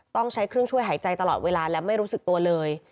ต้องใช้เครื่องช่วยหายใจตลอดเวลาและไม่รู้สึกตัวเลย